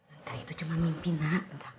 entah itu cuma mimpi nak